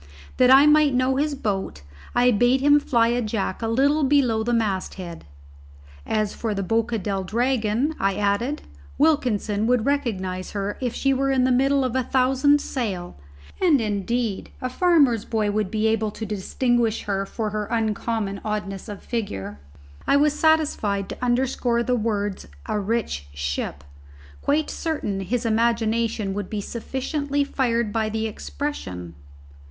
That I might know his boat, I bade him fly a jack a little below the masthead. "As for the Boca del Dragon," I added, "Wilkinson would recognize her if she were in the middle of a thousand sail, and indeed a farmer's boy would be able to distinguish her for her uncommon oddness of figure." I was satisfied to underscore the words "a rich ship," quite certain his imagination would be sufficiently fired by the expression.